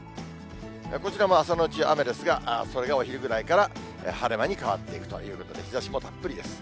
こちらも朝のうち雨ですが、それがお昼ぐらいから晴れ間に変わっていくということで、日ざしもたっぷりです。